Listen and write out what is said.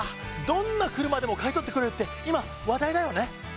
どんな車でも買い取ってくれるって今話題だよね。